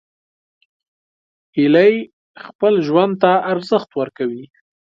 هیلۍ خپل ژوند ته ارزښت ورکوي